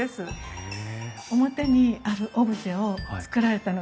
へえ。